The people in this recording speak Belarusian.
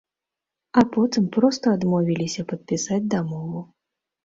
А потым проста адмовіліся падпісаць дамову.